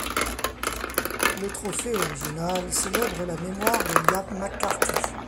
Le trophée original célèbre la mémoire de Liam McCarthy.